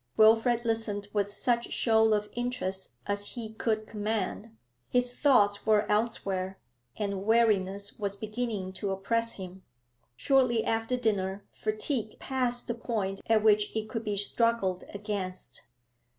Wilfrid listened with such show of interest as he could command; his thoughts were elsewhere, and weariness was beginning to oppress him. Shortly after dinner fatigue passed the point at which it could be struggled against.